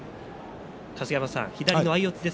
春日山さん、左の相四つです。